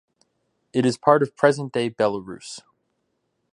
It is part of present-day Belarus.